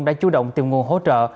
đã chú động tìm nguồn hỗ trợ